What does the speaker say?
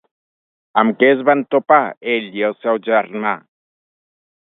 Amb què es van topar ell i el seu germà?